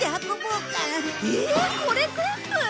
ええこれ全部！？